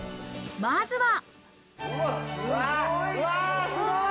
まずは。